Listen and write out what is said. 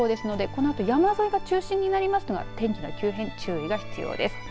このあと山沿いが中心になりますが天気の急変に注意が必要です。